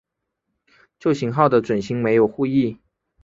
旧型号的准星没有护翼。